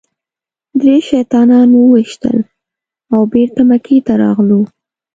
درې شیطانان مو وويشتل او بېرته مکې ته راغلو.